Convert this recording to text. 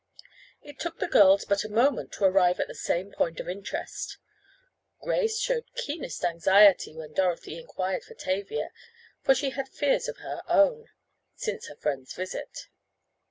It took the girls but a moment to arrive at the same point of interest. Grace showed keenest anxiety when Dorothy inquired for Tavia, for she had fears of her own—since her friend's visit.